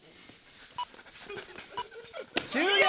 終了！